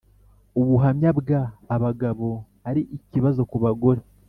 ubuhamya bwa abagabo ari ikibazo ku abagore